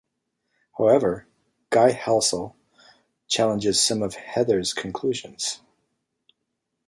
However, Guy Halsall challenges some of Heather's conclusions.